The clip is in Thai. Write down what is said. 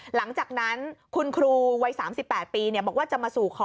หลังจากนั้นคุณครูวัย๓๘ปีบอกว่าจะมาสู่คอ